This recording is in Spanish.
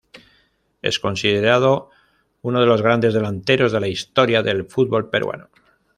Es considerado uno de los grandes delanteros de la historia del fútbol peruano.